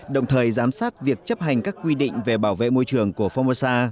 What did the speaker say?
đồng thời giám sát việc chấp hành các quy định về bảo vệ môi trường của formosa